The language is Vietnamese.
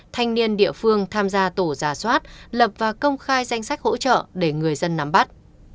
thanh niên địa phương tham gia tổ giả soát lập và công khai danh sách hỗ trợ để người dân nắm bắt